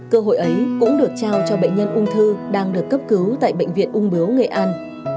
cơ hội ấy cũng được trao cho bệnh nhân ung thư đang được cấp cứu tại bệnh viện ung bướu nghệ an